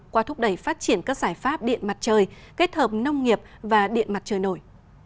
qua thúc đẩy phát triển các giải pháp điện mặt trời kết hợp nông nghiệp và điện mặt trời nổi